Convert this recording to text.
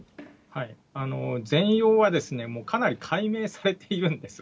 全容はもうかなり解明されているんです。